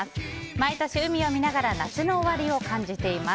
毎年、海を見ながら夏の終わりを感じています。